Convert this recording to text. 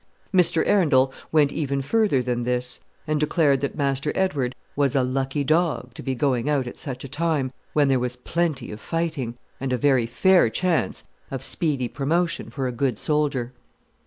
Mr. Arundel went even further than this, and declared that Master Edward was a lucky dog to be going out at such a time, when there was plenty of fighting, and a very fair chance of speedy promotion for a good soldier.